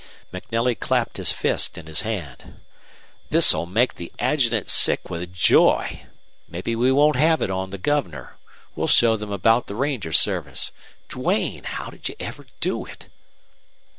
MacNelly clapped his fist in his hand. "This'll make the adjutant sick with joy. Maybe we won't have it on the Governor! We'll show them about the ranger service. Duane! how'd you ever do it?"